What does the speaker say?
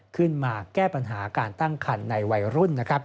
ขึ้นมาแก้ปัญหาการตั้งคันในวัยรุ่นนะครับ